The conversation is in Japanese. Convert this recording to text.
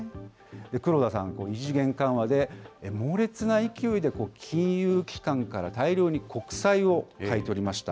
黒田さん、異次元緩和で猛烈な勢いで金融機関から大量に国債を買い取りました。